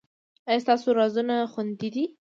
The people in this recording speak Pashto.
ایا ستاسو رازونه خوندي نه دي؟